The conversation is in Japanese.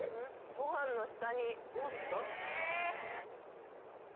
ご飯の下？